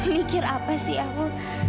mikir apa sih aku